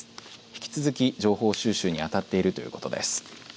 引き続き情報収集に当たっているということです。